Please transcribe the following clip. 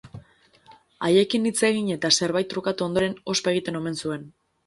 Haiekin hitz egin eta zerbait trukatu ondoren ospa egiten omen zuen.